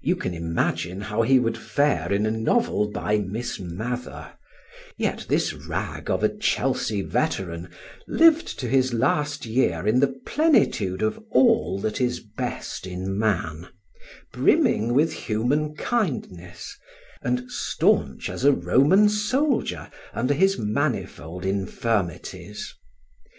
You can imagine how he would fare in a novel by Miss Mather; yet this rag of a Chelsea veteran lived to his last year in the plenitude of all that is best in man, brimming with human kindness, and staunch as a Roman soldier under his manifold infirmities.